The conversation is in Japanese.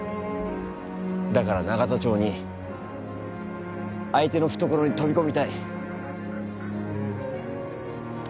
だから永田町に相手の懐に飛び込みたい。